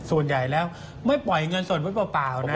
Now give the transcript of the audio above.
ส่วนใหญ่แล้วไม่ปล่อยเงินสดไว้เปล่านะ